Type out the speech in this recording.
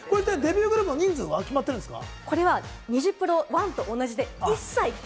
デビューの人数決まってるんですか？